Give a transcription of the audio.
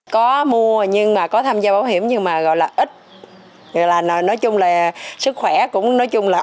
có mua nhưng mà có tham gia bảo hiểm nhưng mà gọi là ít nói chung là sức khỏe cũng nói chung là